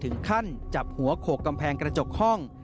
ถึงขั้นจับหัวโขกกำแพงกระจกห้อง